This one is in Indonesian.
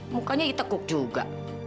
mukanya itekuk juga